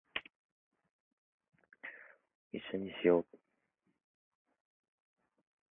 一緒にしよ♡